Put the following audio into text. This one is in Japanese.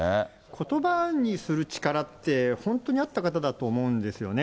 ことばにする力って、本当にあった方だと思うんですよね。